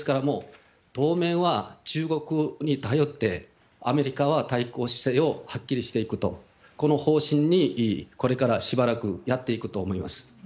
当面は中国に頼って、アメリカは対抗姿勢をはっきりしていくと、この方針にこれからしばらくやっていくと思います。